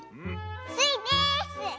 スイです！